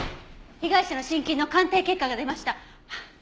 被害者の心筋の鑑定結果が出ました。